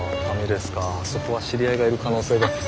あそこは知り合いがいる可能性が。